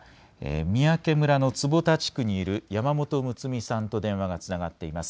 三宅村の坪田地区にいる山本睦美さんと電話がつながっています。